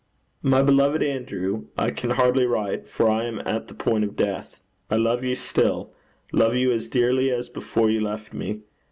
'My beloved Andrew, I can hardly write, for I am at the point of death. I love you still love you as dearly as before you left me.